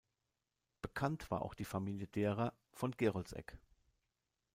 Bekannt war auch die Familie derer "von Geroldseck".